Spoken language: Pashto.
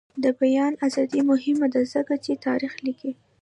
د بیان ازادي مهمه ده ځکه چې تاریخ لیکي.